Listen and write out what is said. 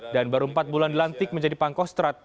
dan baru empat bulan dilantik menjadi pangkostrat